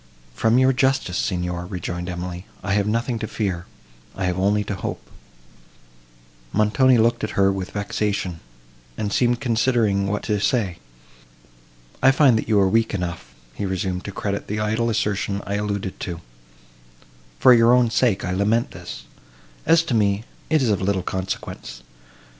"From your justice, Signor," rejoined Emily, "I have nothing to fear—I have only to hope." Montoni looked at her with vexation, and seemed considering what to say. "I find that you are weak enough," he resumed, "to credit the idle assertion I alluded to! For your own sake I lament this; as to me, it is of little consequence.